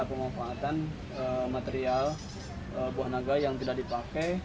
pemanfaatan material buah naga yang tidak dipakai